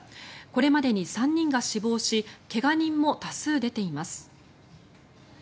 これまでに３人が死亡し怪我人も多数出ています。